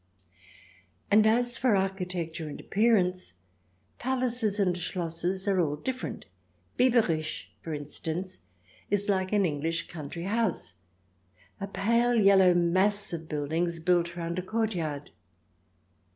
And as for architecture and appearance, palaces and Schlosses are all different. Bieberich, for instance, is like an Enghsh country house — a pale yellow mass of buildings built round a courtyard.